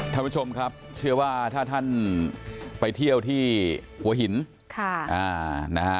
ท่านผู้ชมครับเชื่อว่าถ้าท่านไปเที่ยวที่หัวหินค่ะอ่านะฮะ